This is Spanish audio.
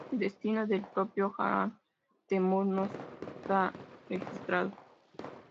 El destino del propio Jahan Temür no está registrado.